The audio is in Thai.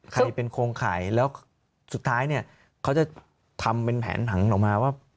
ใครเป็นโครงข่ายแล้วสุดท้ายเนี่ยเขาจะทำเป็นแผนผังออกมาว่า